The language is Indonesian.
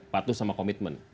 patuh sama komitmen